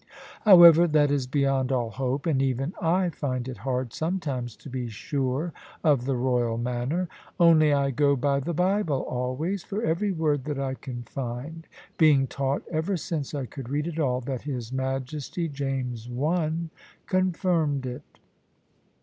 However, that is beyond all hope; and even I find it hard sometimes to be sure of the royal manner. Only I go by the Bible always, for every word that I can find; being taught (ever since I could read at all) that his Majesty, James I., confirmed it.